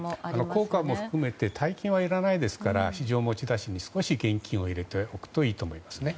効果も含めて大金はいりませんから非常用の持ち出しに入れておくといいと思います。